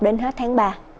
đến hết tháng ba